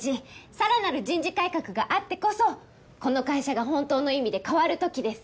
さらなる人事改革があってこそこの会社が本当の意味で変わるときです